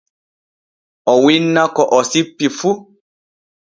O winna ko o sippi fu.